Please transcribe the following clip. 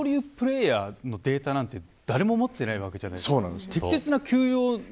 二刀流プレーヤーのデータなんて誰も持っていないわけじゃないですか。